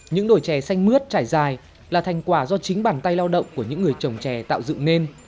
những đồi trà xanh mướt trải dài là thành quả do chính bàn tay lao động của những người trồng trà tạo dự nên